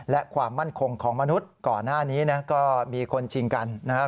และความมั่นคงของมนุษย์ก่อนหน้านี้นะก็มีคนชิงกันนะครับ